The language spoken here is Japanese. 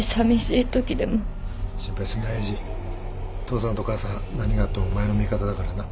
父さんと母さん何があってもお前の味方だからな